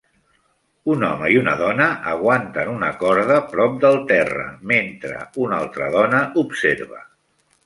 Un home i una dona aguanten una corda prop del terra mentre una altra dona observa.